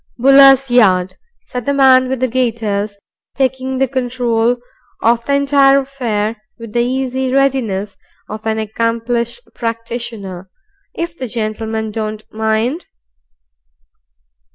"Buller's yard," said the man with the gaiters, taking the control of the entire affair with the easy readiness of an accomplished practitioner. "If the gentleman DON'T mind."